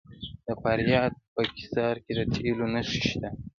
د فاریاب په قیصار کې د تیلو نښې شته.